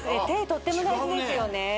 とっても大事ですよね